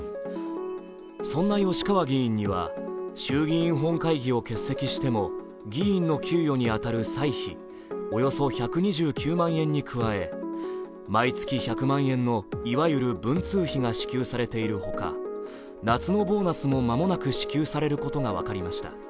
そんな吉川議員には衆議院本会議を欠席しても議員の給与に当たる歳費およそ１２９万円に加え、毎月１００万円のいわゆる文通費が支給されている他夏のボーナスも間もなく支給されることが分かりました。